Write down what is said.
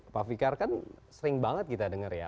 pak fikar kan sering banget kita dengar ya